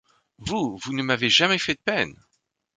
Vous, vous ne m’avez jamais fait de peine !